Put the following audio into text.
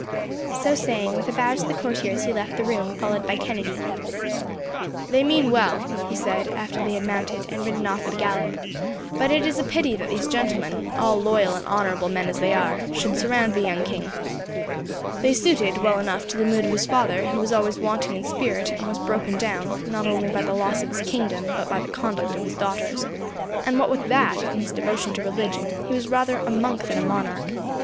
So saying, with a bow to the courtiers he left the room, followed by Kennedy. "They mean well," he said, after they had mounted, and ridden off at a gallop; "but it is a pity that these gentlemen, all loyal and honourable men as they are, should surround the young king. They suited, well enough, to the mood of his father, who was always wanting in spirit, and was broken down, not only by the loss of his kingdom, but by the conduct of his daughters; and, what with that, and his devotion to religion, he was rather a monk than a monarch.